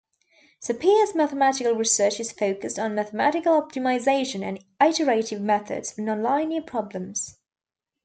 Tapia's mathematical research is focused on mathematical optimization and iterative methods for nonlinear problems.